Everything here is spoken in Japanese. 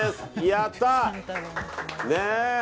やったー！